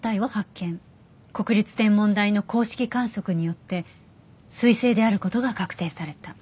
「国立天文台の公式観測によって彗星であることが確定された」